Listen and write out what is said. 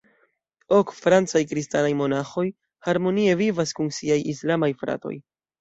Ok francaj kristanaj monaĥoj harmonie vivas kun siaj islamaj fratoj.